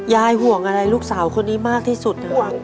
ยายห่วงอะไรลูกสาวคนนี้มากที่สุด